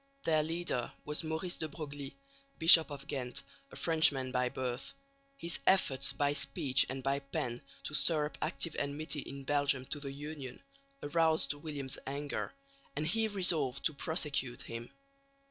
Their leader was Maurice de Broglie, Bishop of Ghent, a Frenchman by birth. His efforts by speech and by pen to stir up active enmity in Belgium to the union aroused William's anger, and he resolved to prosecute him.